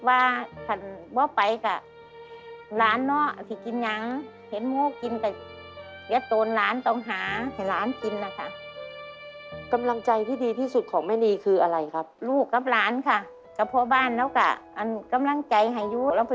แล้วลูกได้อย่างไรแหล่ะว่าเค้าให้กำลังใจเรา